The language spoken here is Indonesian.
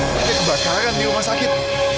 seperti kebakaran di rumah sakit